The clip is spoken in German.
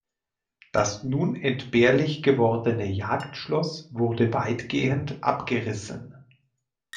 Das nun entbehrlich gewordene Jagdschloss wurde weitgehend abgerissen.